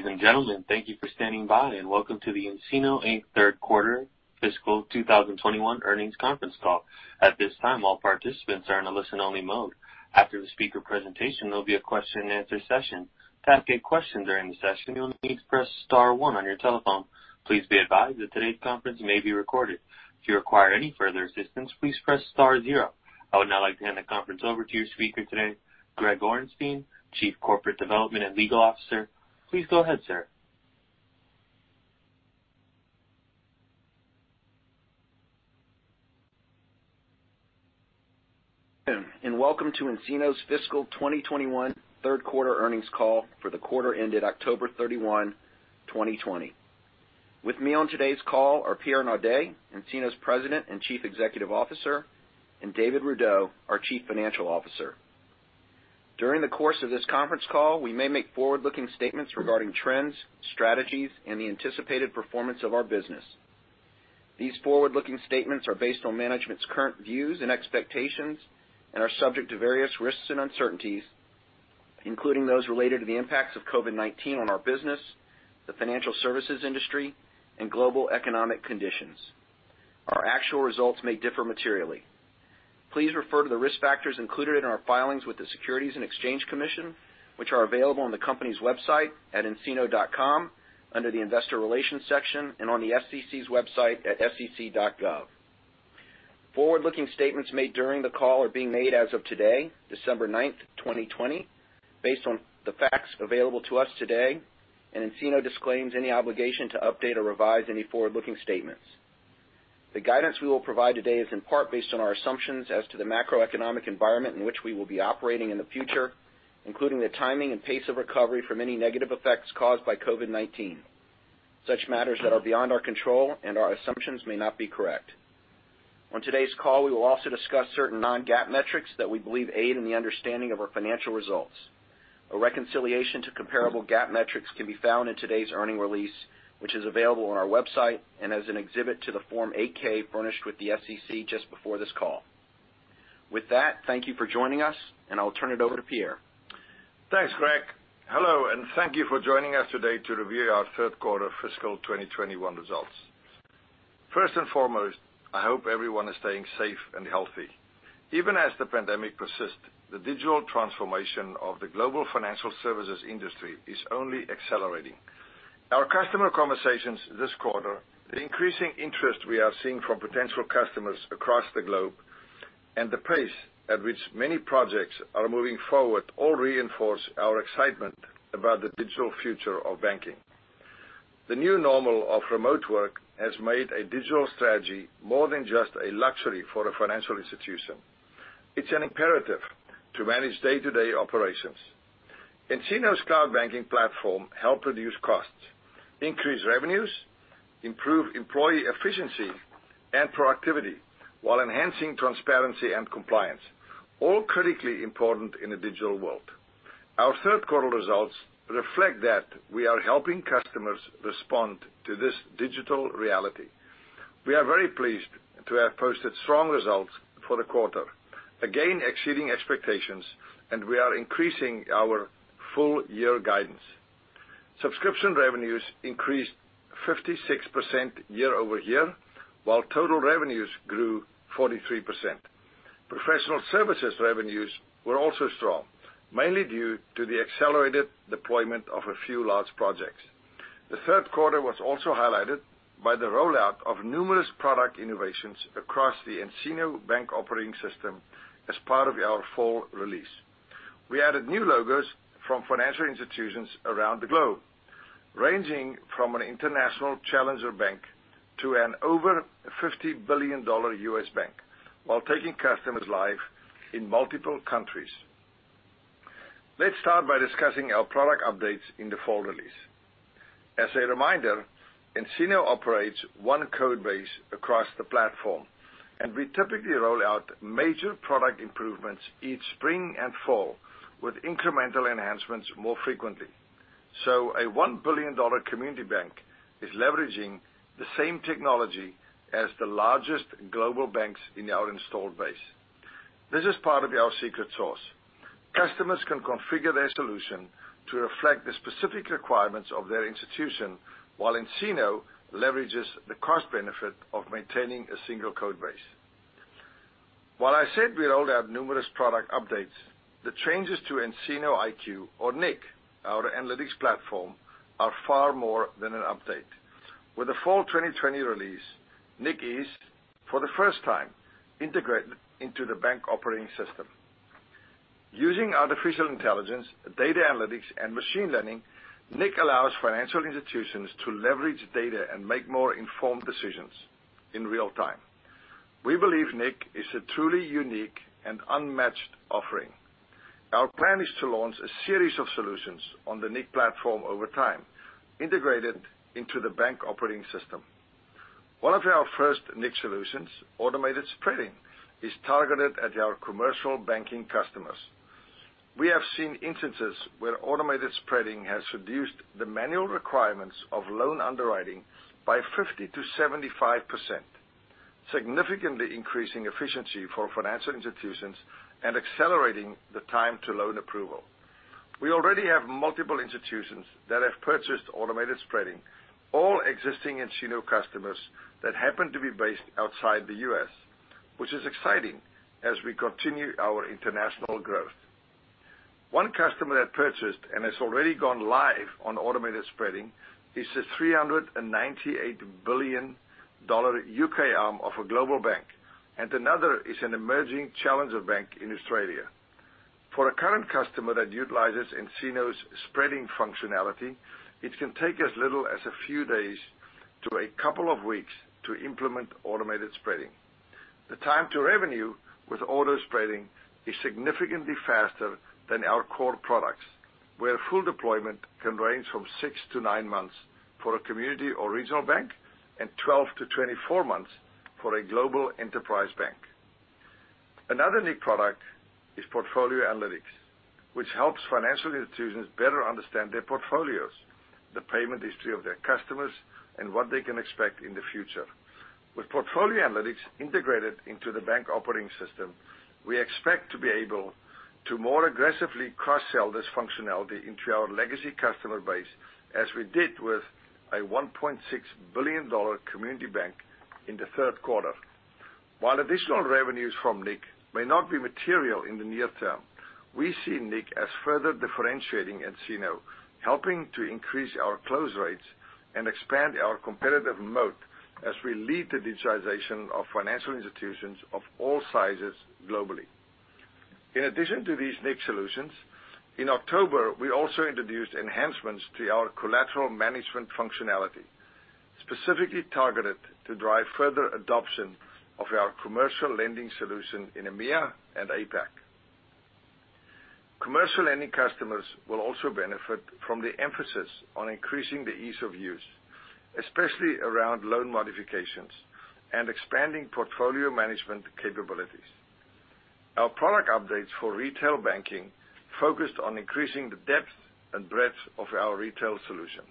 Ladies and gentlemen, thank you for standing by, and welcome to the nCino, Inc. third quarter fiscal 2021 earnings conference call. At this time, all participants are in a listen-only mode. After the speaker presentation, there will be a question-and-answer session. To ask a question during the session, you'll need to press star one on your telephone. Please be advised that today's conference may be recorded. If you require any further assistance, please press star zero. I would now like to hand the conference over to your speaker today, Greg Orenstein, Chief Corporate Development and Legal Officer. Please go ahead, sir. Welcome to nCino's fiscal 2021 third quarter earnings call for the quarter ended October 31, 2020. With me on today's call are Pierre Naudé, nCino's President and Chief Executive Officer, and David Rudow, our Chief Financial Officer. During the course of this conference call, we may make forward-looking statements regarding trends, strategies, and the anticipated performance of our business. These forward-looking statements are based on management's current views and expectations and are subject to various risks and uncertainties, including those related to the impacts of COVID-19 on our business, the financial services industry, and global economic conditions. Our actual results may differ materially. Please refer to the risk factors included in our filings with the Securities and Exchange Commission, which are available on the company's website at ncino.com under the Investor Relations section and on the SEC's website at sec.gov. Forward-looking statements made during the call are being made as of today, December 9th, 2020, based on the facts available to us today, and nCino disclaims any obligation to update or revise any forward-looking statements. The guidance we will provide today is in part based on our assumptions as to the macroeconomic environment in which we will be operating in the future, including the timing and pace of recovery from any negative effects caused by COVID-19. Such matters that are beyond our control and our assumptions may not be correct. On today's call, we will also discuss certain non-GAAP metrics that we believe aid in the understanding of our financial results. A reconciliation to comparable GAAP metrics can be found in today's earnings release, which is available on our website and as an exhibit to the Form 8-K furnished with the SEC just before this call. With that, thank you for joining us, and I'll turn it over to Pierre. Thanks, Greg. Hello, and thank you for joining us today to review our third quarter fiscal 2021 results. First and foremost, I hope everyone is staying safe and healthy. Even as the pandemic persists, the digital transformation of the global financial services industry is only accelerating. Our customer conversations this quarter, the increasing interest we are seeing from potential customers across the globe, and the pace at which many projects are moving forward all reinforce our excitement about the digital future of banking. The new normal of remote work has made a digital strategy more than just a luxury for a financial institution. It's an imperative to manage day-to-day operations. nCino's cloud banking platform helps reduce costs, increase revenues, improve employee efficiency and productivity, while enhancing transparency and compliance, all critically important in a digital world. Our third quarter results reflect that we are helping customers respond to this digital reality. We are very pleased to have posted strong results for the quarter, again exceeding expectations, and we are increasing our full-year guidance. Subscription revenues increased 56% year-over-year, while total revenues grew 43%. Professional services revenues were also strong, mainly due to the accelerated deployment of a few large projects. The third quarter was also highlighted by the rollout of numerous product innovations across the nCino Bank Operating System as part of our full release. We added new logos from financial institutions around the globe, ranging from an international challenger bank to an over $50 billion U.S. bank, while taking customers live in multiple countries. Let's start by discussing our product updates in the full release. As a reminder, nCino operates one code base across the platform, and we typically roll out major product improvements each spring and fall, with incremental enhancements more frequently. A $1 billion community bank is leveraging the same technology as the largest global banks in our installed base. This is part of our secret sauce. Customers can configure their solution to reflect the specific requirements of their institution, while nCino leverages the cost benefit of maintaining a single code base. While I said we rolled out numerous product updates, the changes to nCino IQ, or nIQ, our analytics platform, are far more than an update. With the Fall 2020 release, nIQ is, for the first time, integrated into the Bank Operating System. Using artificial intelligence, data analytics, and machine learning, nIQ allows financial institutions to leverage data and make more informed decisions in real time. We believe nIQ is a truly unique and unmatched offering. Our plan is to launch a series of solutions on the nIQ platform over time, integrated into the Bank Operating System. One of our first nIQ solutions, Automated Spreading, is targeted at our commercial banking customers. We have seen instances where Automated Spreading has reduced the manual requirements of loan underwriting by 50%-75%, significantly increasing efficiency for financial institutions and accelerating the time to loan approval. We already have multiple institutions that have purchased Automated Spreading, all existing nCino customers that happen to be based outside the U.S., which is exciting as we continue our international growth. One customer that purchased and has already gone live on Automated Spreading is the $398 billion U.K. arm of a global bank, and another is an emerging challenger bank in Australia. For a current customer that utilizes nCino's spreading functionality, it can take as little as a few days to a couple of weeks to implement Automated Spreading. The time to revenue with Automated Spreading is significantly faster than our core products, where full deployment can range from six to nine months for a community or regional bank and 12-24 months for a global enterprise bank. Another nIQ product is Portfolio Analytics, which helps financial institutions better understand their portfolios, the payment history of their customers, and what they can expect in the future. With Portfolio Analytics integrated into the Bank Operating System, we expect to be able to more aggressively cross-sell this functionality into our legacy customer base as we did with a $1.6 billion community bank in the third quarter. While additional revenues from nIQ may not be material in the near-term, we see nIQ as further differentiating nCino, helping to increase our close rates and expand our competitive moat as we lead the digitization of financial institutions of all sizes globally. In addition to these nIQ solutions, in October, we also introduced enhancements to our collateral management functionality, specifically targeted to drive further adoption of our Commercial Lending solution in EMEA and APAC. Commercial lending customers will also benefit from the emphasis on increasing the ease of use, especially around loan modifications and expanding portfolio management capabilities. Our product updates for retail banking focused on increasing the depth and breadth of our retail solution.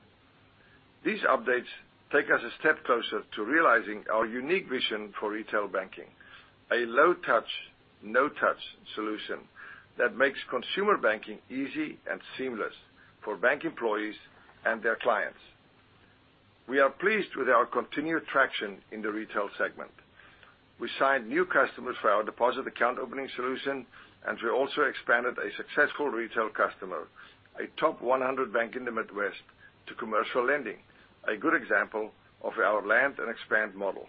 These updates take us a step closer to realizing our unique vision for retail banking, a low-touch, no-touch solution that makes consumer banking easy and seamless for bank employees and their clients. We are pleased with our continued traction in the retail segment. We signed new customers for our Deposit Account Opening solution, and we also expanded a successful retail customer, a top 100 bank in the Midwest, to Commercial Lending, a good example of our land and expand model.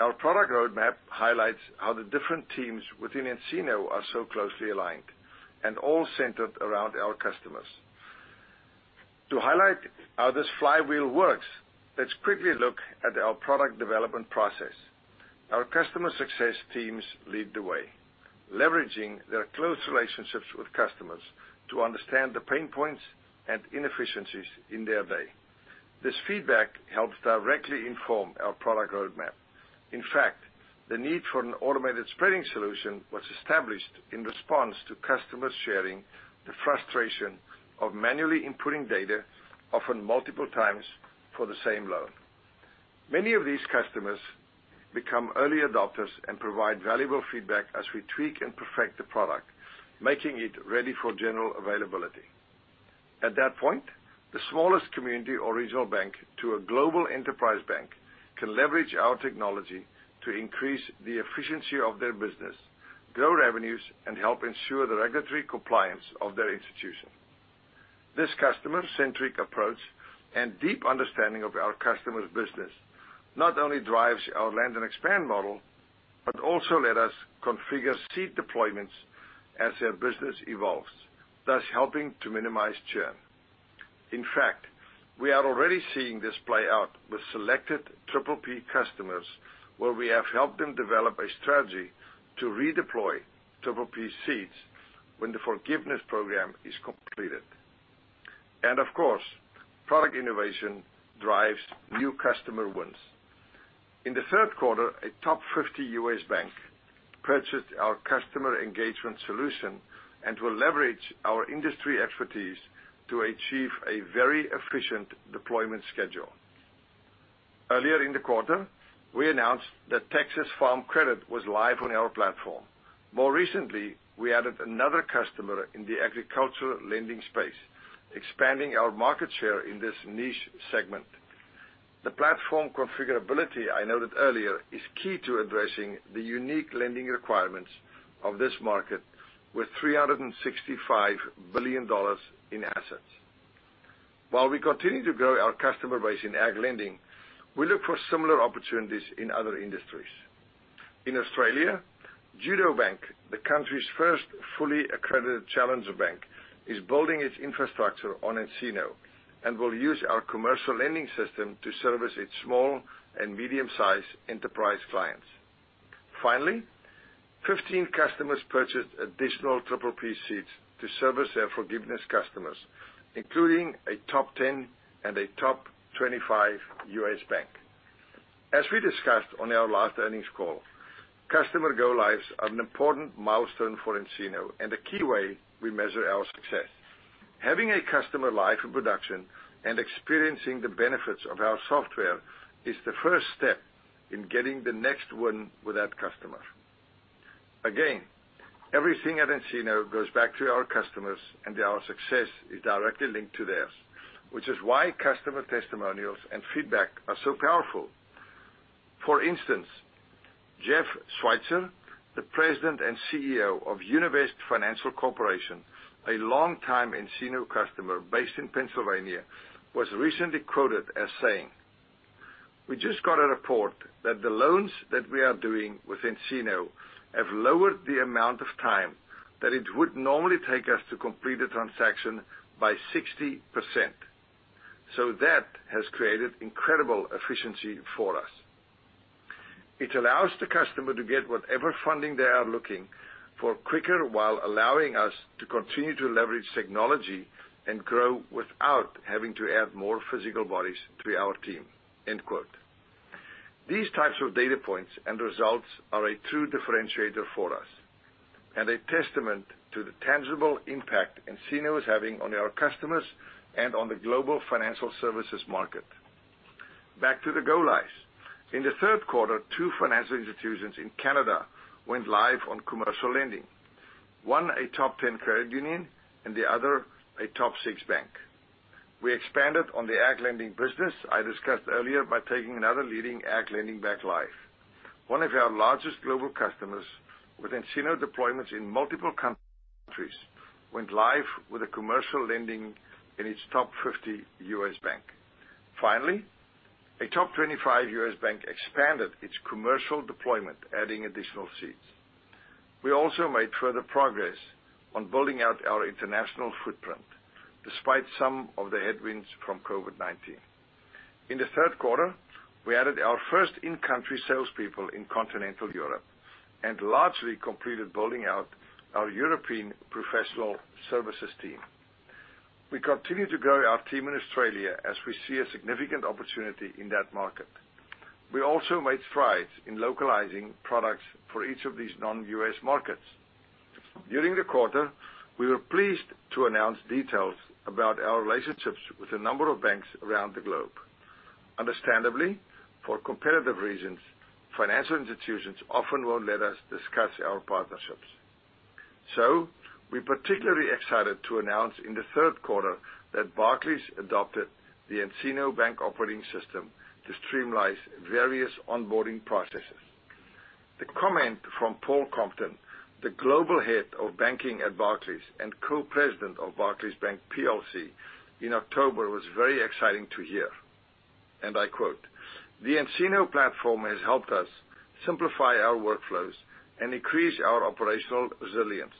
Our product roadmap highlights how the different teams within nCino are so closely aligned and all centered around our customers. To highlight how this flywheel works, let's quickly look at our product development process. Our customer success teams lead the way, leveraging their close relationships with customers to understand the pain points and inefficiencies in their day. This feedback helps directly inform our product roadmap. In fact, the need for an Automated Spreading solution was established in response to customers sharing the frustration of manually inputting data, often multiple times, for the same loan. Many of these customers become early adopters and provide valuable feedback as we tweak and perfect the product, making it ready for general availability. At that point, the smallest community or regional bank to a global enterprise bank can leverage our technology to increase the efficiency of their business, grow revenues, and help ensure the regulatory compliance of their institution. This customer-centric approach and deep understanding of our customers' business not only drives our land and expand model, but also lets us configure seed deployments as their business evolves, thus helping to minimize churn. In fact, we are already seeing this play out with selected PPP customers, where we have helped them develop a strategy to redeploy PPP seats when the forgiveness program is completed. And of course, product innovation drives new customer wins. In the third quarter, a top 50 U.S. bank purchased our customer engagement solution and will leverage our industry expertise to achieve a very efficient deployment schedule. Earlier in the quarter, we announced that Texas Farm Credit was live on our platform. More recently, we added another customer in the agricultural lending space, expanding our market share in this niche segment. The platform configurability I noted earlier is key to addressing the unique lending requirements of this market, with $365 billion in assets. While we continue to grow our customer base in ag lending, we look for similar opportunities in other industries. In Australia, Judo Bank, the country's first fully accredited challenger bank, is building its infrastructure on nCino and will use our Commercial Lending system to service its small and medium-sized enterprise clients. Finally, 15 customers purchased additional PPP seats to service their forgiveness customers, including a top 10 and a top 25 U.S. bank. As we discussed on our last earnings call, customer go-lives are an important milestone for nCino and a key way we measure our success. Having a customer live in production and experiencing the benefits of our software is the first step in getting the next win with that customer. Again, everything at nCino goes back to our customers, and our success is directly linked to theirs, which is why customer testimonials and feedback are so powerful. For instance, Jeff Schweitzer, the President and CEO of Univest Financial Corporation, a longtime nCino customer based in Pennsylvania, was recently quoted as saying, "We just got a report that the loans that we are doing with nCino have lowered the amount of time that it would normally take us to complete a transaction by 60%. So that has created incredible efficiency for us. It allows the customer to get whatever funding they are looking for quicker while allowing us to continue to leverage technology and grow without having to add more physical bodies to our team." These types of data points and results are a true differentiator for us and a testament to the tangible impact nCino is having on our customers and on the global financial services market. Back to the go-lives. In the third quarter, two financial institutions in Canada went live on Commercial Lending. One, a top 10 credit union, and the other, a top six bank. We expanded on the ag lending business I discussed earlier by taking another leading ag lending bank live. One of our largest global customers with nCino deployments in multiple countries went live with a Commercial Lending in its top 50 U.S. bank. Finally, a top 25 U.S. bank expanded its commercial deployment, adding additional seats. We also made further progress on building out our international footprint, despite some of the headwinds from COVID-19. In the third quarter, we added our first in-country salespeople in continental Europe and largely completed building out our European professional services team. We continue to grow our team in Australia as we see a significant opportunity in that market. We also made strides in localizing products for each of these non-U.S. markets. During the quarter, we were pleased to announce details about our relationships with a number of banks around the globe. Understandably, for competitive reasons, financial institutions often won't let us discuss our partnerships. So we're particularly excited to announce in the third quarter that Barclays adopted the nCino Bank Operating System to streamline various onboarding processes. The comment from Paul Compton, the global head of banking at Barclays and co-president of Barclays Bank PLC, in October was very exciting to hear. And I quote, "The nCino platform has helped us simplify our workflows and increase our operational resilience,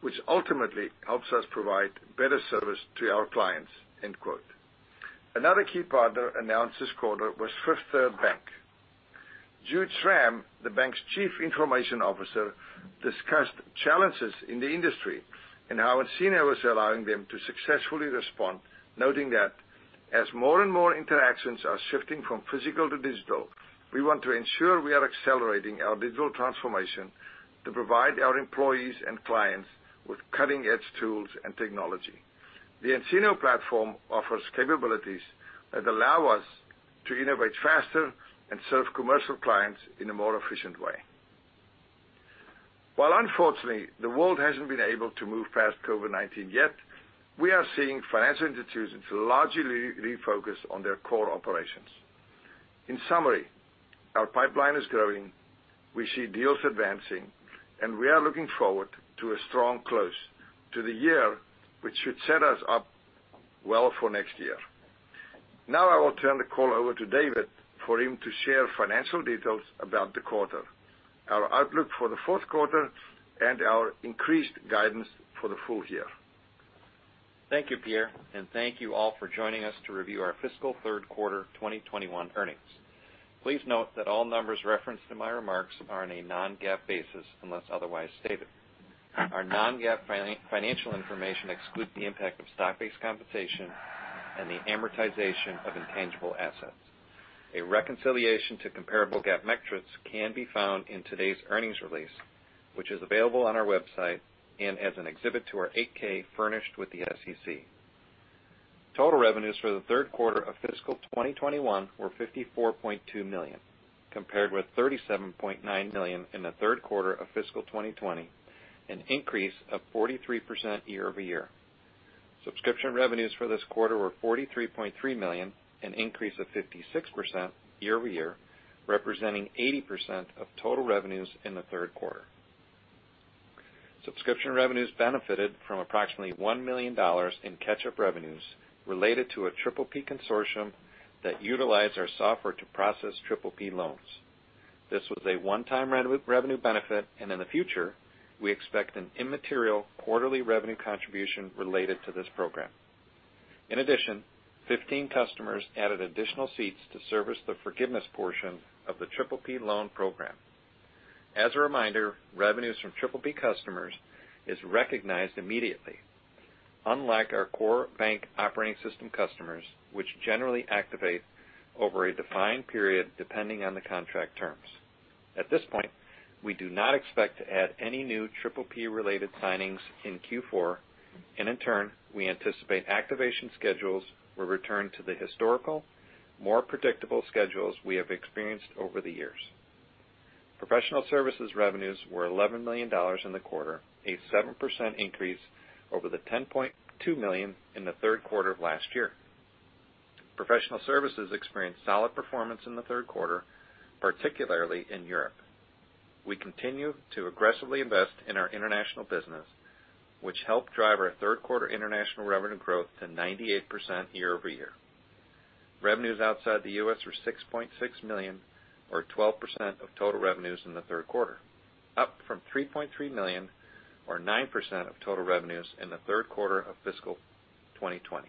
which ultimately helps us provide better service to our clients." Another key partner announced this quarter was Fifth Third Bank. Jude Schramm, the bank's Chief Information Officer, discussed challenges in the industry and how nCino is allowing them to successfully respond, noting that, "As more and more interactions are shifting from physical to digital, we want to ensure we are accelerating our digital transformation to provide our employees and clients with cutting-edge tools and technology. The nCino platform offers capabilities that allow us to innovate faster and serve commercial clients in a more efficient way." While, unfortunately, the world hasn't been able to move past COVID-19 yet, we are seeing financial institutions largely refocus on their core operations. In summary, our pipeline is growing, we see deals advancing, and we are looking forward to a strong close to the year, which should set us up well for next year. Now I will turn the call over to David for him to share financial details about the quarter, our outlook for the fourth quarter, and our increased guidance for the full year. Thank you, Pierre, and thank you all for joining us to review our fiscal third quarter 2021 earnings. Please note that all numbers referenced in my remarks are on a non-GAAP basis unless otherwise stated. Our non-GAAP financial information excludes the impact of stock-based compensation and the amortization of intangible assets. A reconciliation to comparable GAAP metrics can be found in today's earnings release, which is available on our website and as an exhibit to our 8-K furnished with the SEC. Total revenues for the third quarter of fiscal 2021 were $54.2 million, compared with $37.9 million in the third quarter of fiscal 2020, an increase of 43% year-over-year. Subscription revenues for this Q4 were $43.3 million, an increase of 56% year-over-year, representing 80% of total revenues in the third quarter. Subscription revenues benefited from approximately $1 million in catch-up revenues related to a PPP consortium that utilized our software to process PPP loans. This was a one-time revenue benefit, and in the future, we expect an immaterial quarterly revenue contribution related to this program. In addition, 15 customers added additional seats to service the forgiveness portion of the PPP loan program. As a reminder, revenues from PPP customers are recognized immediately, unlike our core Bank Operating System customers, which generally activate over a defined period depending on the contract terms. At this point, we do not expect to add any new PPP-related signings in Q4, and in turn, we anticipate activation schedules will return to the historical, more predictable schedules we have experienced over the years. Professional services revenues were $11 million in the quarter, a 7% increase over the $10.2 million in the third quarter of last year. Professional services experienced solid performance in the third quarter, particularly in Europe. We continue to aggressively invest in our international business, which helped drive our third quarter international revenue growth to 98% year-over-year. Revenues outside the U.S. were $6.6 million, or 12% of total revenues in the third quarter, up from $3.3 million, or 9% of total revenues in the third quarter of fiscal 2020.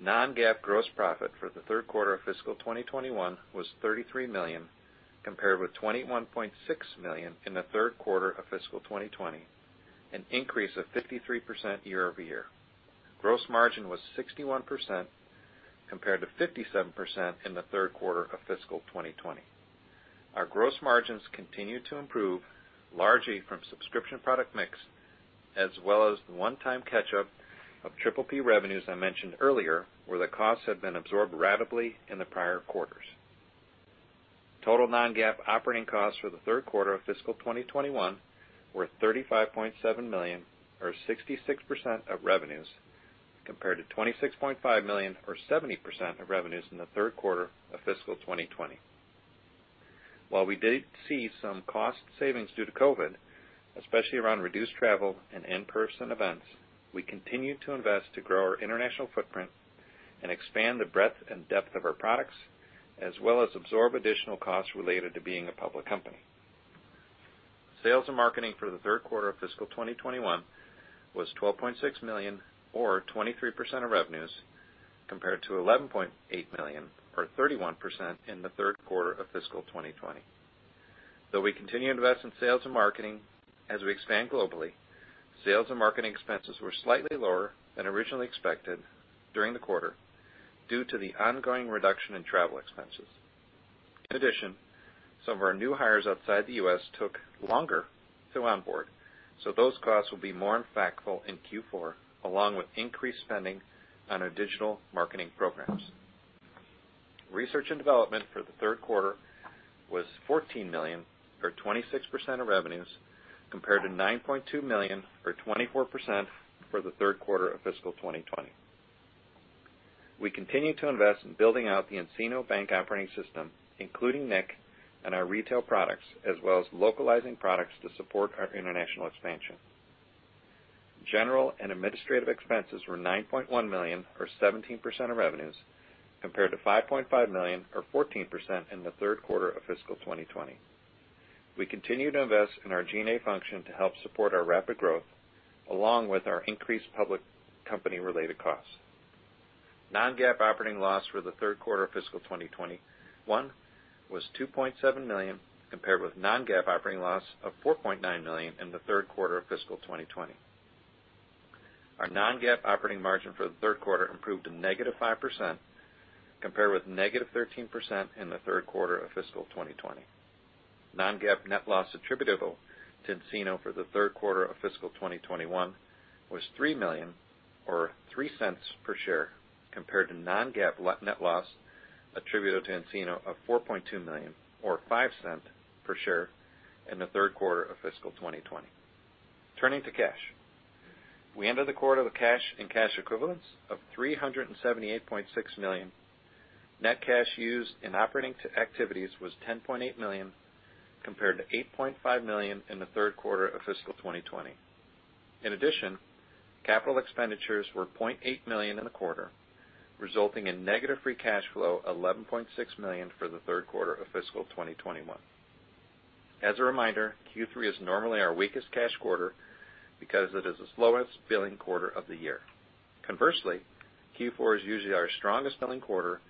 Non-GAAP gross profit for the third quarter of fiscal 2021 was $33 million, compared with $21.6 million in the third quarter of fiscal 2020, an increase of 53% year-over-year. Gross margin was 61%, compared to 57% in the third quarter of fiscal 2020. Our gross margins continue to improve, largely from subscription product mix, as well as the one-time catch-up of PPP revenues I mentioned earlier, where the costs had been absorbed already in the prior quarters. Total non-GAAP operating costs for the third quarter of fiscal 2021 were $35.7 million, or 66% of revenues, compared to $26.5 million, or 70% of revenues in the third quarter of fiscal 2020. While we did see some cost savings due to COVID, especially around reduced travel and in-person events, we continue to invest to grow our international footprint and expand the breadth and depth of our products, as well as absorb additional costs related to being a public company. Sales and marketing for the third quarter of fiscal 2021 was $12.6 million, or 23% of revenues, compared to $11.8 million, or 31% in the third quarter of fiscal 2020. Though we continue to invest in sales and marketing as we expand globally, sales and marketing expenses were slightly lower than originally expected during the quarter due to the ongoing reduction in travel expenses. In addition, some of our new hires outside the U.S. took longer to onboard, so those costs will be more impactful in Q4, along with increased spending on our digital marketing programs. Research and development for the third quarter was $14 million, or 26% of revenues, compared to $9.2 million, or 24% for the third quarter of fiscal 2020. We continue to invest in building out the nCino Bank Operating System, including nCino IQ and our retail products, as well as localizing products to support our international expansion. General and administrative expenses were $9.1 million, or 17% of revenues, compared to $5.5 million, or 14% in the third quarter of fiscal 2020. We continue to invest in our G&A function to help support our rapid growth, along with our increased public company-related costs. Non-GAAP operating loss for the third quarter of fiscal 2021 was $2.7 million, compared with non-GAAP operating loss of $4.9 million in the third quarter of fiscal 2020. Our non-GAAP operating margin for the third quarter improved to -5%, compared with -13% in the third quarter of fiscal 2020. Non-GAAP net loss attributable to nCino for the third quarter of fiscal 2021 was $3 million, or $0.03 per share, compared to non-GAAP net loss attributed to nCino of $4.2 million, or $0.05 per share in the third quarter of fiscal 2020. Turning to cash, we ended the third quarter with cash and cash equivalents of $378.6 million. Net cash used in operating activities was $10.8 million, compared to $8.5 million in the third quarter of fiscal 2020. In addition, capital expenditures were $0.8 million in the third quarter, resulting in negative free cash flow of $11.6 million for the third quarter of fiscal 2021. As a reminder, Q3 is normally our weakest cash quarter because it is the slowest billing quarter of the year. Conversely, Q4 is usually our strongest billing quarter,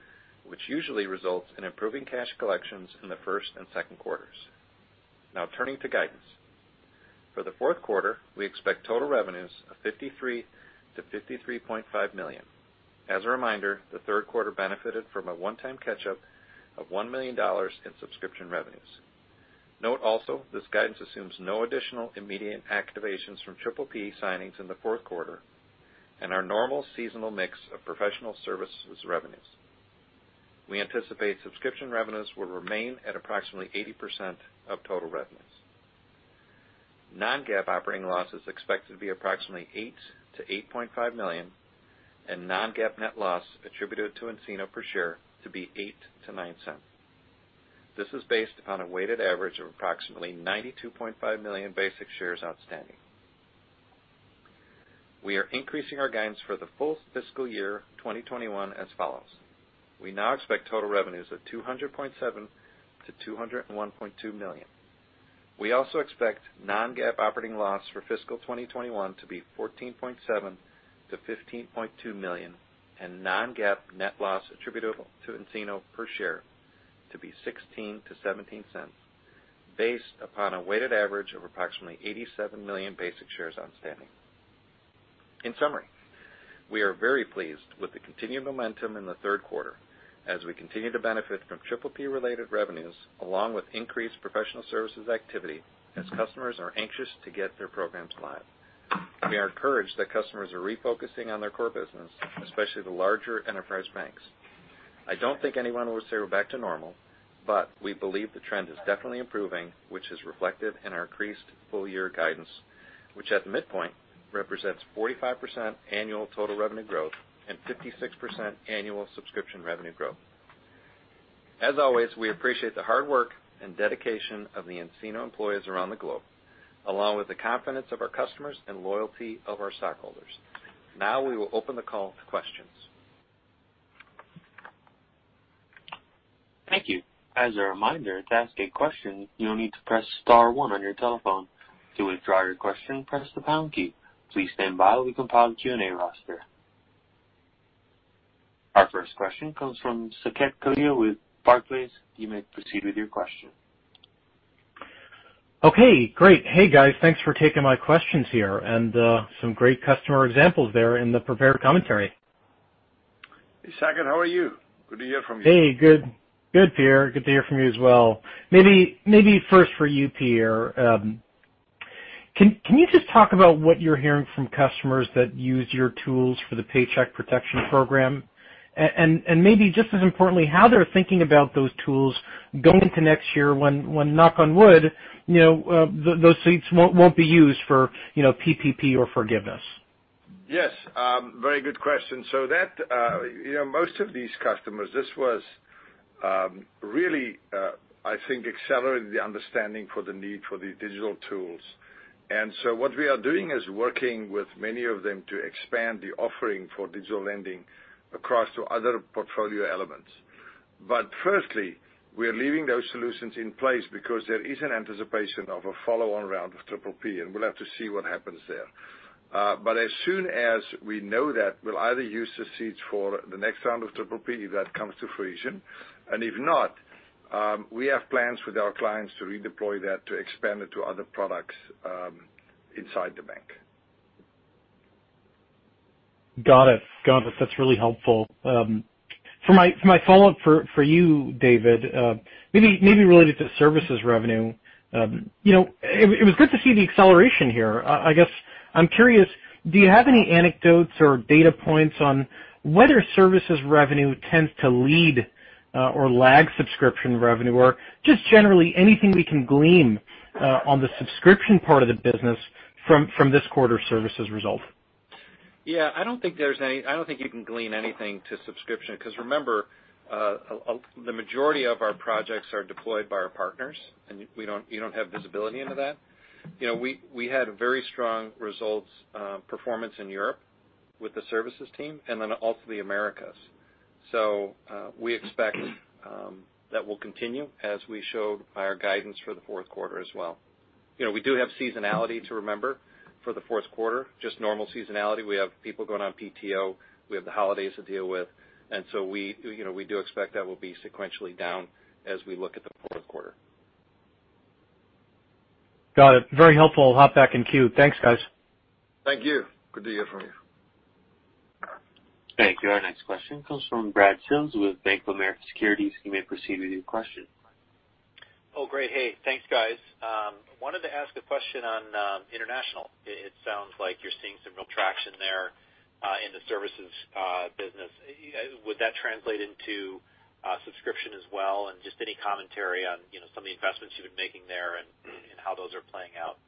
which usually results in improving cash collections in the first and second quarters. Now turning to guidance. For the fourth quarter, we expect total revenues of $53.0 million-$53.5 million. As a reminder, the third quarter benefited from a one-time catch-up of $1 million in subscription revenues. Note also this guidance assumes no additional immediate activations from PPP signings in the fourth quarter and our normal seasonal mix of professional services revenues. We anticipate subscription revenues will remain at approximately 80% of total revenues. Non-GAAP operating loss is expected to be approximately $8.0 million-$8.5 million, and non-GAAP net loss attributed to nCino per share to be $0.08-$0.09. This is based upon a weighted average of approximately $92.5 million basic shares outstanding. We are increasing our guidance for the full fiscal year 2021 as follows. We now expect total revenues of $200.7 million-$201.2 million. We also expect non-GAAP operating loss for fiscal 2021 to be $14.7 million-$15.2 million, and non-GAAP net loss attributable to nCino per share to be $0.16-$0.17, based upon a weighted average of approximately $87 million basic shares outstanding. In summary, we are very pleased with the continued momentum in the third quarter as we continue to benefit from PPP-related revenues, along with increased professional services activity as customers are anxious to get their programs live. We are encouraged that customers are refocusing on their core business, especially the larger enterprise banks. I don't think anyone will say we're back to normal, but we believe the trend is definitely improving, which is reflected in our increased full-year guidance, which at the midpoint represents 45% annual total revenue growth and 56% annual subscription revenue growth. As always, we appreciate the hard work and dedication of the nCino employees around the globe, along with the confidence of our customers and loyalty of our stockholders. Now we will open the call to questions. Thank you. As a reminder, to ask a question, you'll need to press star one on your telephone. To withdraw your question, press the pound key. Please stand by while we compile the Q&A roster. Our first question comes from Saket Kalia with Barclays. You may proceed with your question. Okay, great. Hey guys, thanks for taking my questions here, and some great customer examples there in the prepared commentary. Hey Saket, how are you? Good to hear from you. Hey, good. Good, Pierre. Good to hear from you as well. Maybe first for you, Pierre, can you just talk about what you're hearing from customers that use your tools for the Paycheck Protection Program? And maybe just as importantly, how they're thinking about those tools going into next year when, knock on wood, those seats won't be used for PPP or forgiveness. Yes, very good question. So that, most of these customers, this was really, I think, accelerated the understanding for the need for these digital tools. And so what we are doing is working with many of them to expand the offering for digital lending across to other portfolio elements. But firstly, we're leaving those solutions in place because there is an anticipation of a follow-on round of PPP, and we'll have to see what happens there. But as soon as we know that, we'll either use the seats for the next round of PPP, if that comes to fruition, and if not, we have plans with our clients to redeploy that to expand it to other products inside the bank. Got it. Got it. That's really helpful. For my follow-up for you, David, maybe related to services revenue, it was good to see the acceleration here. I guess I'm curious, do you have any anecdotes or data points on whether services revenue tends to lead or lag subscription revenue, or just generally anything we can glean on the subscription part of the business from this quarter's services result? Yeah, I don't think you can glean anything to subscription because remember, the majority of our projects are deployed by our partners, and you don't have visibility into that. We had very strong results, performance in Europe with the services team, and then also the Americas. So we expect that will continue as we showed our guidance for the fourth quarter as well. We do have seasonality to remember for the fourth quarter, just normal seasonality. We have people going on PTO, we have the holidays to deal with, and so we do expect that will be sequentially down as we look at the current quarter. Got it. Very helpful. I'll hop back in queue. Thanks, guys. Thank you. Good to hear from you. Thank you. Our next question comes from Brad Sills with Bank of America Securities. You may proceed with your question. Oh, great. Hey, thanks, guys. Wanted to ask a question on international. It sounds like you're seeing some real traction there in the services business. Would that translate into subscription as well, and just any commentary on some of the investments you've been making there and how those are playing out?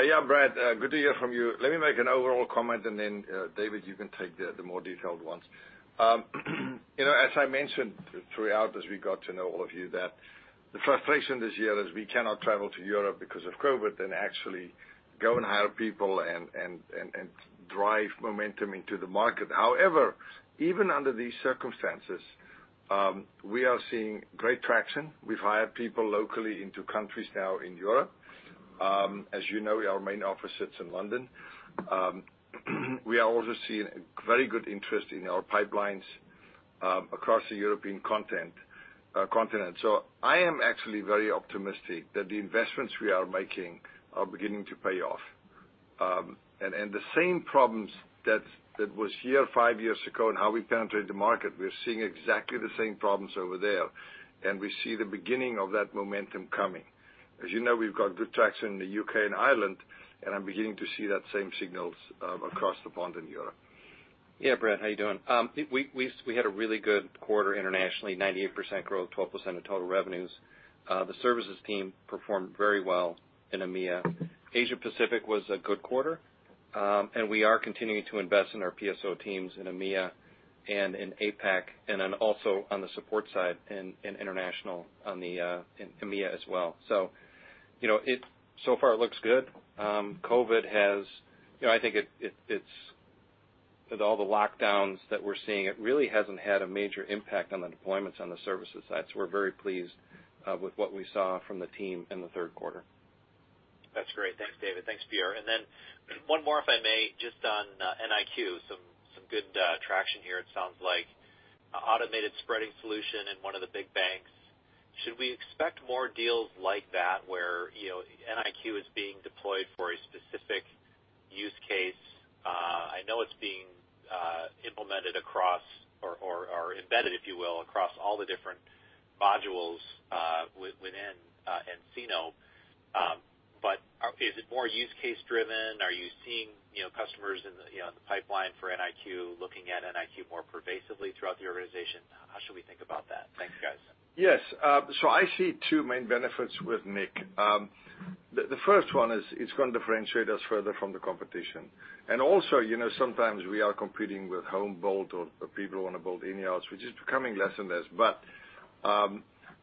Yeah, Brad, good to hear from you. Let me make an overall comment, and then David, you can take the more detailed ones. As I mentioned throughout, as we got to know all of you, that the frustration this year is we cannot travel to Europe because of COVID and actually go and hire people and drive momentum into the market. However, even under these circumstances, we are seeing great traction. We've hired people locally into countries now in Europe. As you know, our main office sits in London. We are also seeing very good interest in our pipelines across the European continent. So I am actually very optimistic that the investments we are making are beginning to pay off. And the same problems that was here five years ago and how we penetrate the market, we're seeing exactly the same problems over there, and we see the beginning of that momentum coming. As you know, we've got good traction in the U.K. and Ireland, and I'm beginning to see that same signals across the pond in Europe. Yeah, Brad, how are you doing? We had a really good quarter internationally, 98% growth, 12% of total revenues. The services team performed very well in EMEA. Asia Pacific was a good quarter, and we are continuing to invest in our PSO teams in EMEA and in APAC, and then also on the support side in international on the EMEA as well. So far it looks good. COVID has, I think it's with all the lockdowns that we're seeing, it really hasn't had a major impact on the deployments on the services side, so we're very pleased with what we saw from the team in the third quarter. That's great. Thanks, David. Thanks, Pierre. And then one more, if I may, just on nIQ, some good traction here. It sounds like an Automated Spreading solution in one of the big banks. Should we expect more deals like that where nIQ is being deployed for a specific use case? I know it's being implemented across or embedded, if you will, across all the different modules within nCino, but is it more use case driven? Are you seeing customers in the pipeline for nIQ looking at nIQ more pervasively throughout the organization? How should we think about that? Thanks, guys. Yes, so I see two main benefits with nIQ. The first one is it's going to differentiate us further from the competition. And also, sometimes we are competing with homegrown or people want to build in-house, which is becoming less and less. But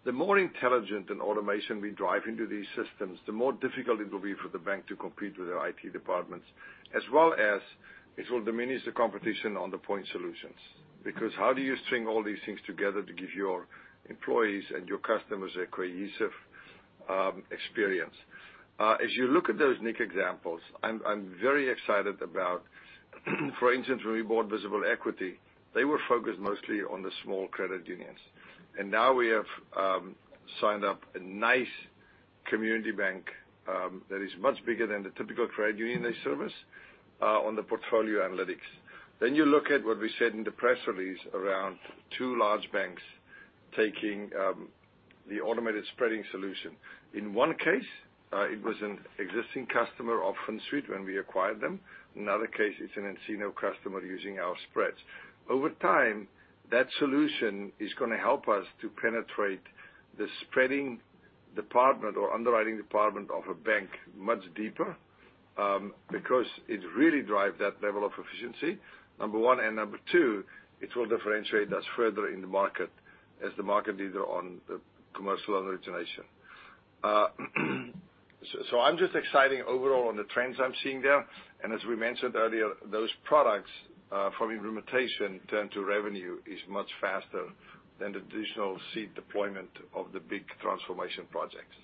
the more intelligent and automation we drive into these systems, the more difficult it will be for the bank to compete with their IT departments, as well as it will diminish the competition on the point solutions. Because how do you string all these things together to give your employees and your customers a cohesive experience? As you look at those nIQ examples, I'm very excited about, for instance, when we bought Visible Equity, they were focused mostly on the small credit unions. And now we have signed up a nice community bank that is much bigger than the typical credit union they service on the portfolio analytics. Then you look at what we said in the press release around two large banks taking the Automated Spreading solution. In one case, it was an existing customer option suite when we acquired them. In another case, it's an nCino customer using our spreads. Over time, that solution is going to help us to penetrate the spreading department or underwriting department of a bank much deeper because it really drives that level of efficiency, number one. And number two, it will differentiate us further in the market as the market leader on the commercial origination. So I'm just excited overall on the trends I'm seeing there. As we mentioned earlier, those products from implementation turn to revenue is much faster than the digital seat deployment of the big transformation projects.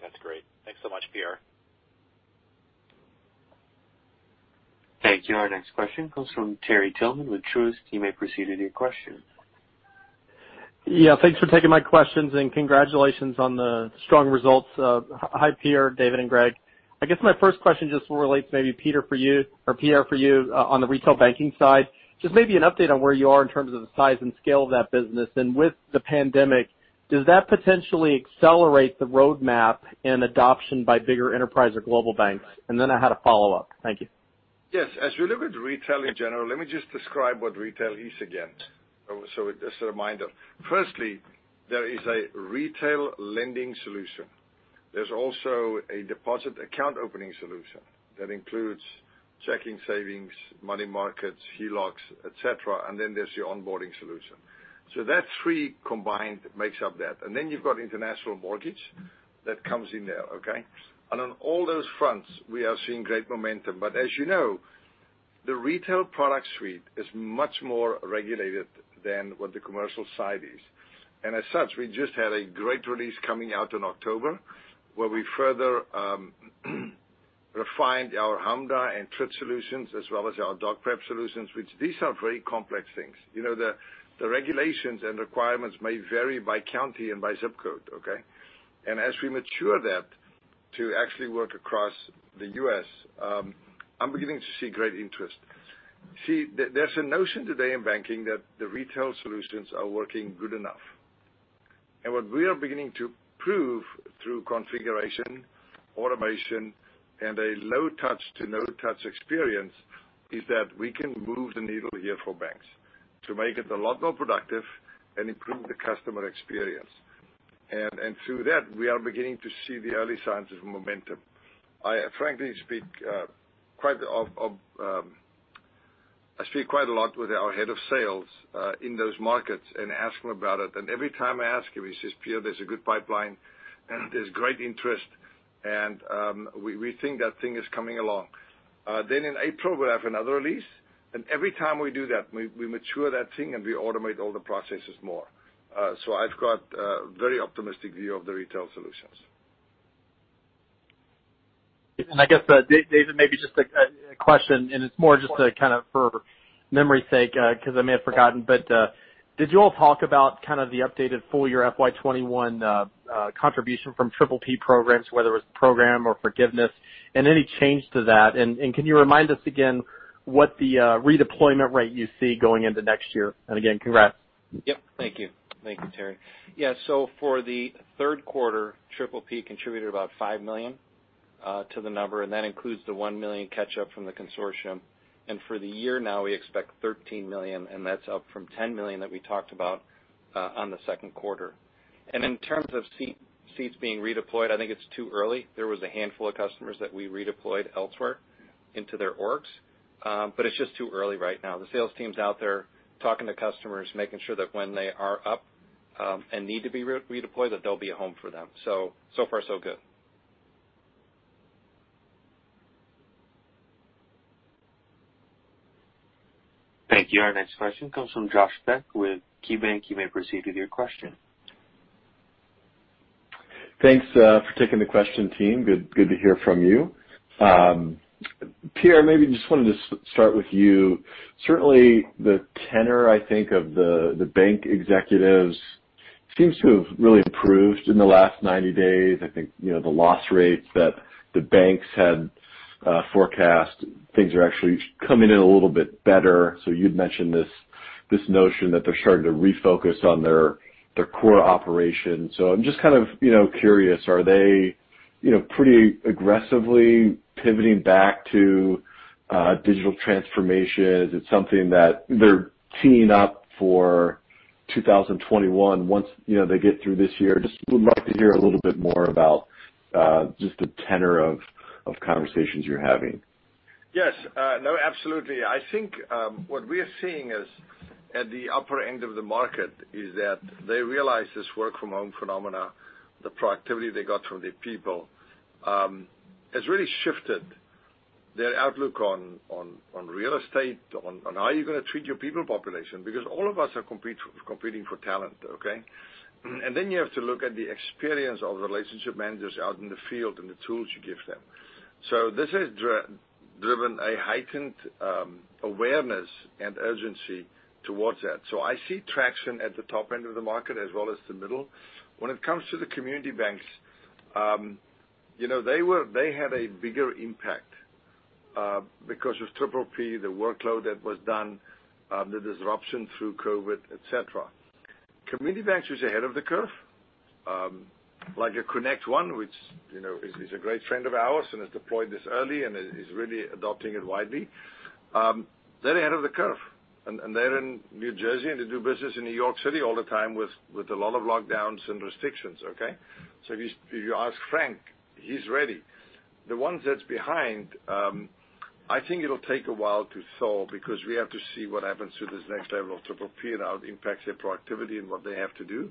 That's great. Thanks so much, Pierre. Thank you. Our next question comes from Terry Tillman with Truist. You may proceed with your question. Yeah, thanks for taking my questions, and congratulations on the strong results. Hi, Pierre, David, and Greg. I guess my first question just relates maybe, Pierre, for you or Pierre for you on the retail banking side, just maybe an update on where you are in terms of the size and scale of that business. And with the pandemic, does that potentially accelerate the roadmap and adoption by bigger enterprise or global banks? And then I had a follow-up. Thank you. Yes. As we look at retail in general, let me just describe what retail is again. So just a reminder. Firstly, there is a retail lending solution. There's also a Deposit Account Opening solution that includes checking savings, money markets, HELOCs, etc., and then there's the onboarding solution. So those three combined makes up that. And then you've got international mortgage that comes in there, okay? And on all those fronts, we are seeing great momentum. But as you know, the retail product suite is much more regulated than what the commercial side is. And as such, we just had a great release coming out in October where we further refined our HMDA and TRID solutions as well as our DocPrep solutions, which these are very complex things. The regulations and requirements may vary by county and by ZIP code, okay? And as we mature that to actually work across the U.S., I'm beginning to see great interest. See, there's a notion today in banking that the retail solutions are working good enough. And what we are beginning to prove through configuration, automation, and a low-touch to no-touch experience is that we can move the needle here for banks to make it a lot more productive and improve the customer experience. And through that, we are beginning to see the early signs of momentum. I frankly speak quite a lot with our head of sales in those markets and ask him about it. And every time I ask him, he says, "Peter, there's a good pipeline, and there's great interest, and we think that thing is coming along." Then in April, we'll have another release. And every time we do that, we mature that thing and we automate all the processes more. So I've got a very optimistic view of the retail solutions. And I guess, David, maybe just a question, and it's more just kind of for memory's sake because I may have forgotten, but did you all talk about kind of the updated full year FY 2021 contribution from PPP programs, whether it was the program or forgiveness, and any change to that? And can you remind us again what the redeployment rate you see going into next year? And again, congrats. Yep. Thank you. Thank you, Terry. Yeah, so for the third quarter, PPP contributed about $5 million to the number, and that includes the $1 million catch-up from the consortium. And for the year now, we expect $13 million, and that's up from $10 million that we talked about on the second quarter. And in terms of seats being redeployed, I think it's too early. There was a handful of customers that we redeployed elsewhere into their orgs, but it's just too early right now. The sales team's out there talking to customers, making sure that when they are up and need to be redeployed, that they'll be home for them. So so far, so good. Thank you. Our next question comes from Josh Beck with KeyBank. You may proceed with your question. Thanks for taking the question, team. Good to hear from you. Pierre, maybe just wanted to start with you. Certainly, the tenor, I think, of the bank executives seems to have really improved in the last 90 days. I think the loss rates that the banks had forecast, things are actually coming in a little bit better. So you'd mentioned this notion that they're starting to refocus on their core operation. So I'm just kind of curious, are they pretty aggressively pivoting back to digital transformation? Is it something that they're teeing up for 2021 once they get through this year? Just would like to hear a little bit more about just the tenor of conversations you're having. No, absolutely. I think what we are seeing is at the upper end of the market is that they realize this work-from-home phenomena. The productivity they got from the people has really shifted their outlook on real estate, on how you're going to treat your people population, because all of us are competing for talent, okay, and then you have to look at the experience of relationship managers out in the field and the tools you give them, so this has driven a heightened awareness and urgency towards that, so I see traction at the top end of the market as well as the middle. When it comes to the community banks, they had a bigger impact because of PPP, the workload that was done, the disruption through COVID, etc. Community banks was ahead of the curve, like a ConnectOne, which is a great friend of ours and has deployed this early and is really adopting it widely. They're ahead of the curve, and they're in New Jersey, and they do business in New York City all the time with a lot of lockdowns and restrictions, okay, so if you ask Frank, he's ready. The ones that's behind, I think it'll take a while to thaw because we have to see what happens to this next level of PPP and how it impacts their productivity and what they have to do,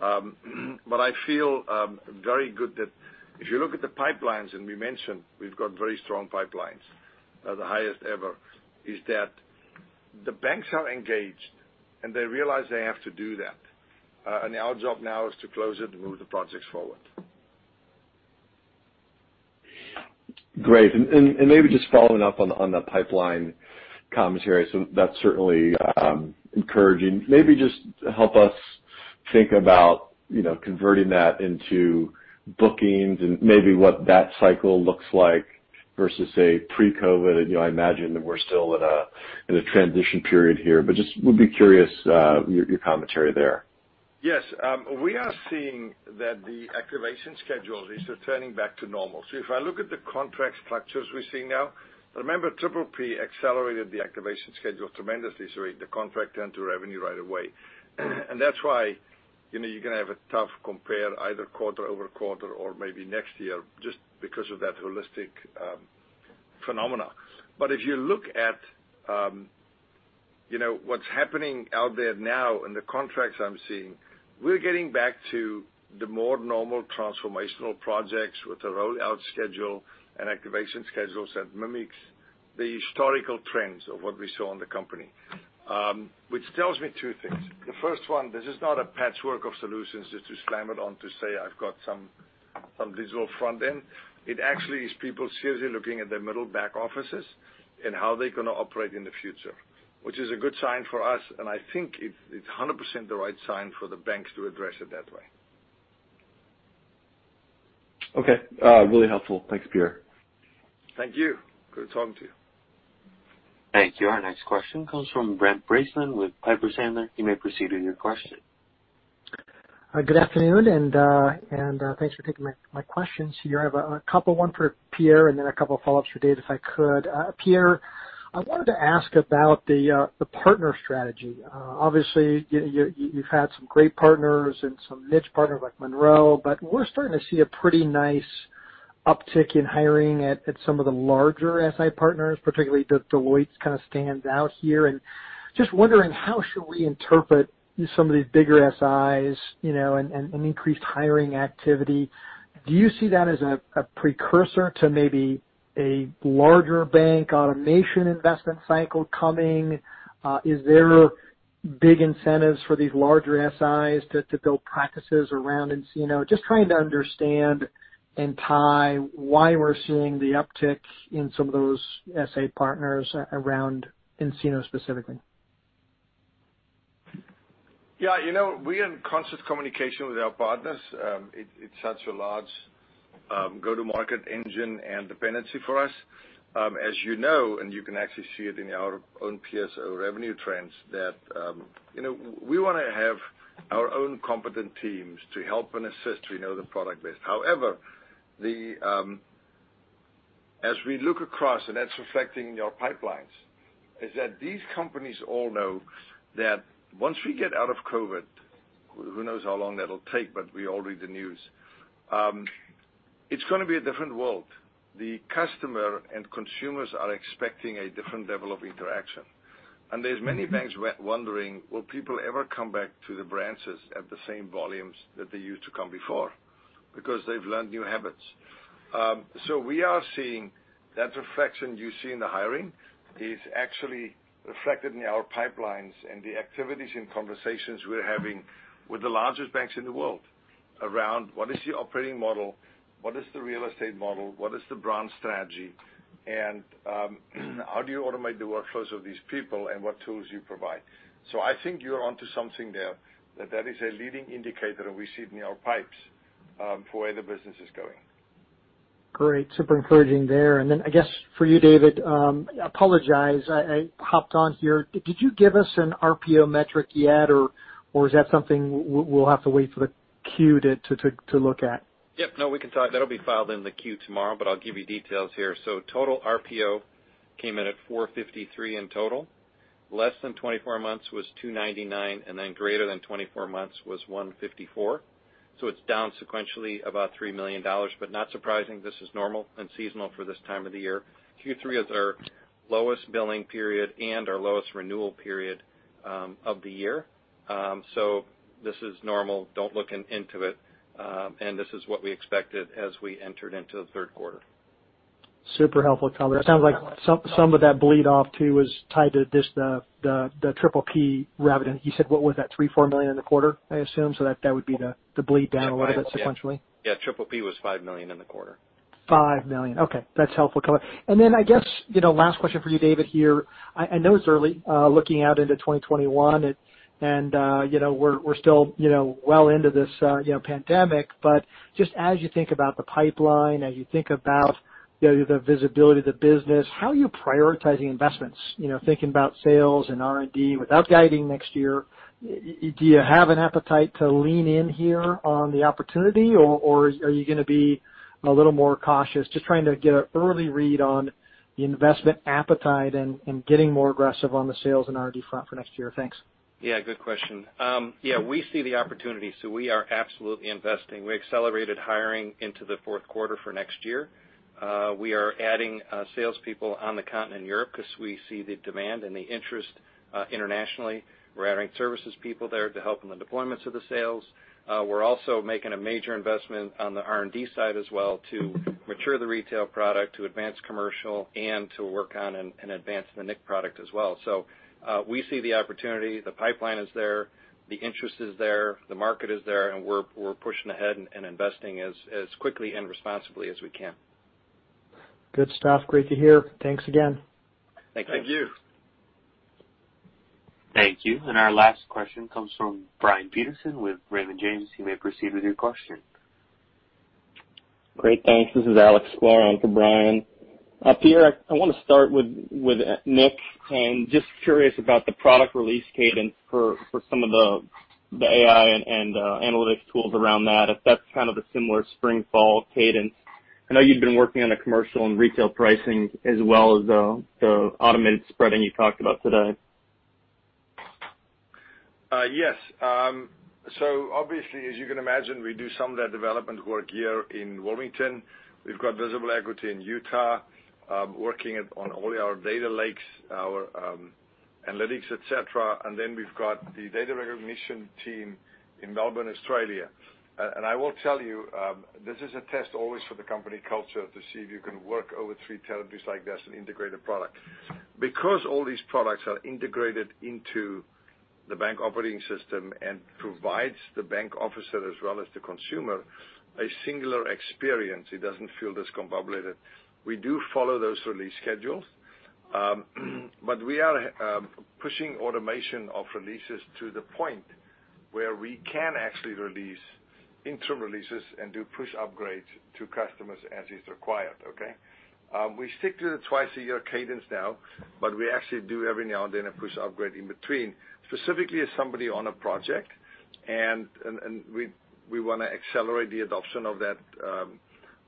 but I feel very good that if you look at the pipelines, and we mentioned we've got very strong pipelines, the highest ever, is that the banks are engaged, and they realize they have to do that. Our job now is to close it and move the projects forward. Great. And maybe just following up on the pipeline commentary here, so that's certainly encouraging. Maybe just help us think about converting that into bookings and maybe what that cycle looks like versus, say, pre-COVID. And I imagine that we're still in a transition period here, but just would be curious your commentary there. Yes. We are seeing that the activation schedule is returning back to normal. So if I look at the contract structures we're seeing now, remember, PPP accelerated the activation schedule tremendously. So the contract turned to revenue right away. And that's why you're going to have a tough compare either quarter-over-quarter or maybe next year just because of that holistic phenomenon. But if you look at what's happening out there now in the contracts I'm seeing, we're getting back to the more normal transformational projects with the rollout schedule and activation schedules that mimics the historical trends of what we saw in the company, which tells me two things. The first one, this is not a patchwork of solutions just to slam it on to say, "I've got some digital front end." It actually is people seriously looking at their middle back offices and how they're going to operate in the future, which is a good sign for us. And I think it's 100% the right sign for the banks to address it that way. Okay. Really helpful. Thanks, Peter. Thank you. Good talking to you. Thank you. Our next question comes from Brent Bracelin with Piper Sandler. You may proceed with your question. Good afternoon, and thanks for taking my questions. You have a couple of one for Pierre and then a couple of follow-ups for David, if I could. Pierre, I wanted to ask about the partner strategy. Obviously, you've had some great partners and some niche partners like Monroe, but we're starting to see a pretty nice uptick in hiring at some of the larger SI partners, particularly Deloitte kind of stands out here. And just wondering how should we interpret some of these bigger SIs and increased hiring activity? Do you see that as a precursor to maybe a larger bank automation investment cycle coming? Is there big incentives for these larger SIs to build practices around nCino? Just trying to understand and tie why we're seeing the uptick in some of those SI partners around nCino specifically. Yeah. We are in constant communication with our partners. It's such a large go-to-market engine and dependency for us. As you know, and you can actually see it in our own PSO revenue trends, that we want to have our own competent teams to help and assist to know the product best. However, as we look across, and that's reflecting in your pipelines, is that these companies all know that once we get out of COVID, who knows how long that'll take, but we all read the news, it's going to be a different world. The customer and consumers are expecting a different level of interaction, and there's many banks wondering, "Will people ever come back to the branches at the same volumes that they used to come before?" Because they've learned new habits. So we are seeing that reflection you see in the hiring is actually reflected in our pipelines and the activities and conversations we're having with the largest banks in the world around what is the operating model, what is the real estate model, what is the brand strategy, and how do you automate the workflows of these people and what tools you provide? So I think you're onto something there, that that is a leading indicator, and we see it in our pipes for where the business is going. Great. Super encouraging there. And then I guess for you, David, I apologize. I hopped on here. Did you give us an RPO metric yet, or is that something we'll have to wait for the queue to look at? Yep. No, we can talk. That'll be filed in the queue tomorrow, but I'll give you details here. So total RPO came in at 453 in total. Less than 24 months was 299, and then greater than 24 months was 154. So it's down sequentially about $3 million. But, not surprising, this is normal and seasonal for this time of the year. Q3 is our lowest billing period and our lowest renewal period of the year. So this is normal. Don't look into it, and this is what we expected as we entered into the third quarter. Super helpful, Tyler. It sounds like some of that bleed-off too was tied to just the PPP revenue. You said what was that? $3 million-$4 million in the quarter, I assume? So that would be the bleed down a little bit sequentially. Yeah. PPP was $5 million in the quarter. $5 million. Okay. That's helpful, Tyler. And then I guess last question for you, David, here. I know it's early looking out into 2021, and we're still well into this pandemic, but just as you think about the pipeline, as you think about the visibility of the business, how are you prioritizing investments, thinking about sales and R&D without guiding next year? Do you have an appetite to lean in here on the opportunity, or are you going to be a little more cautious? Just trying to get an early read on the investment appetite and getting more aggressive on the sales and R&D front for next year. Thanks. Yeah. Good question. Yeah. We see the opportunity, so we are absolutely investing. We accelerated hiring into the fourth quarter for next year. We are adding salespeople on the continent in Europe because we see the demand and the interest internationally. We're adding services people there to help in the deployments of the sales. We're also making a major investment on the R&D side as well to mature the retail product, to advance commercial, and to work on and advance the nCino IQ product as well. So we see the opportunity. The pipeline is there. The interest is there. The market is there, and we're pushing ahead and investing as quickly and responsibly as we can. Good stuff. Great to hear. Thanks again. Thank you. Thank you. Thank you. And our last question comes from Brian Peterson with Raymond James. You may proceed with your question. Great. Thanks. This is Alex Sklar for Brian. Pierre, I want to start with nIQ and just curious about the product release cadence for some of the AI and analytics tools around that, if that's kind of a similar spring/fall cadence. I know you've been working on the commercial and retail pricing as well as the Automated Spreading you talked about today. Yes. So obviously, as you can imagine, we do some of that development work here in Wilmington. We've got Visible Equity in Utah working on all our data lakes, our analytics, etc. And then we've got the data recognition team in Melbourne, Australia. And I will tell you, this is a test always for the company culture to see if you can work over three territories like this and integrate a product. Because all these products are integrated into the Bank Operating System and provide the bank officer as well as the consumer a singular experience, it doesn't feel discombobulated. We do follow those release schedules, but we are pushing automation of releases to the point where we can actually release interim releases and do push upgrades to customers as is required, okay? We stick to the twice-a-year cadence now, but we actually do every now and then a push upgrade in between, specifically as somebody on a project. And we want to accelerate the adoption of that,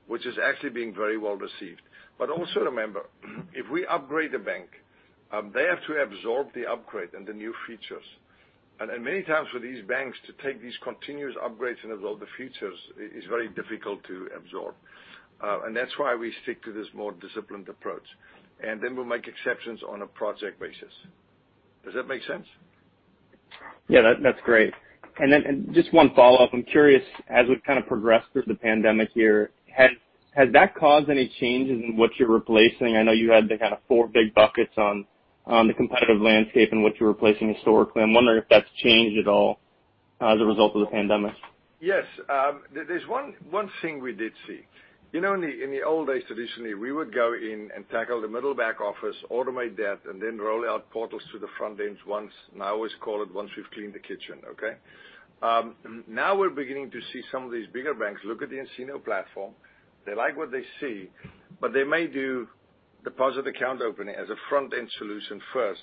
which is actually being very well received. But also remember, if we upgrade the bank, they have to absorb the upgrade and the new features. And many times for these banks to take these continuous upgrades and absorb the features is very difficult to absorb. And that's why we stick to this more disciplined approach. And then we'll make exceptions on a project basis. Does that make sense? Yeah. That's great. And then just one follow-up. I'm curious, as we've kind of progressed through the pandemic here, has that caused any changes in what you're replacing? I know you had the kind of four big buckets on the competitive landscape and what you're replacing historically? I'm wondering if that's changed at all as a result of the pandemic. Yes. There's one thing we did see. In the old days, traditionally, we would go in and tackle the middle back office, automate that, and then roll out portals to the front ends once. And I always call it once we've cleaned the kitchen, okay? Now we're beginning to see some of these bigger banks look at the nCino platform. They like what they see, but they may do Deposit Account Opening as a front-end solution first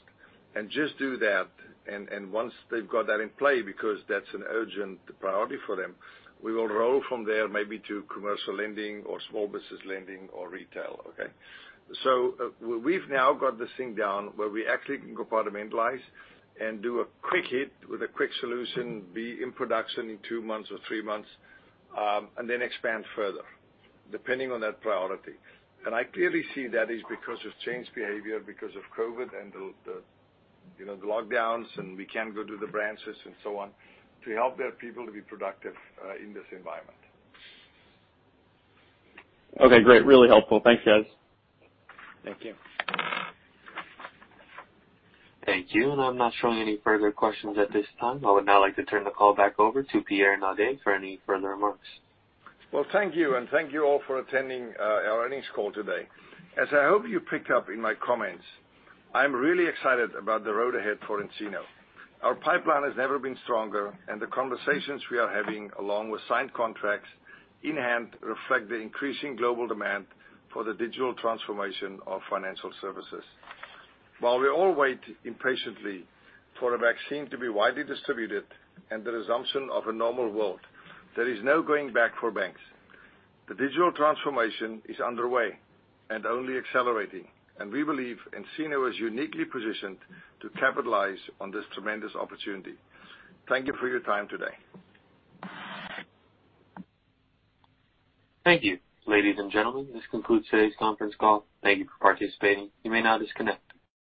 and just do that. And once they've got that in play, because that's an urgent priority for them, we will roll from there maybe to Commercial Lending or Small Business Lending or retail, okay? We've now got this thing down where we actually can go [further mendelize] and do a quick hit with a quick solution, be in production in two months or three months, and then expand further depending on that priority. I clearly see that is because of changed behavior, because of COVID and the lockdowns, and we can't go to the branches and so on to help their people to be productive in this environment. Okay. Great. Really helpful. Thanks, guys. Thank you. Thank you. And I'm not showing any further questions at this time. I would now like to turn the call back over to Pierre Naudé for any further remarks. Thank you. And thank you all for attending our earnings call today. As I hope you picked up in my comments, I'm really excited about the road ahead for nCino. Our pipeline has never been stronger, and the conversations we are having along with signed contracts in hand reflect the increasing global demand for the digital transformation of financial services. While we all wait impatiently for a vaccine to be widely distributed and the resumption of a normal world, there is no going back for banks. The digital transformation is underway and only accelerating, and we believe nCino is uniquely positioned to capitalize on this tremendous opportunity. Thank you for your time today. Thank you, ladies and gentlemen. This concludes today's conference call. Thank you for participating. You may now disconnect.